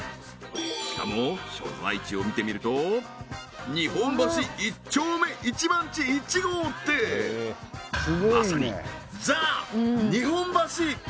しかも所在地を見てみると日本橋一丁目１番地１号ってまさにザ・日本橋！